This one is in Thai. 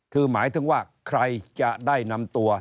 คือหมายถึงว่าใครจะได้นำตัว